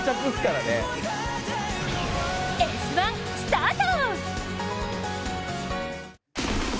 「Ｓ☆１」スタート！